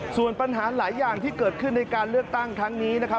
ส่วนปัญหาหลายอย่างที่เกิดขึ้นในการเลือกตั้งครั้งนี้นะครับ